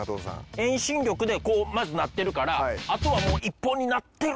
遠心力でこうまずなってるからあとはもう１本になってろ！